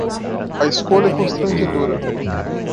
A escolha é constrangedora.